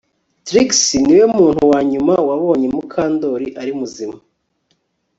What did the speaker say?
Trix niwe muntu wa nyuma wabonye Mukandoli ari muzima